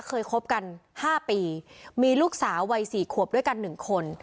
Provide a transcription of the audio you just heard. เคยคบกันห้าปีมีลูกสาวัยสี่ขวบด้วยกันหนึ่งคน